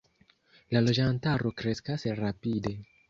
La loĝantaro kreskas rapide.